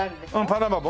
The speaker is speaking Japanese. パナマ帽。